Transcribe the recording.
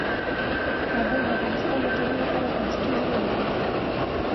کابل د افغانستان د ټولنې لپاره یو بنسټيز رول لري.